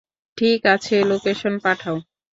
ঠিক আছে, লোকেশন পাঠাও।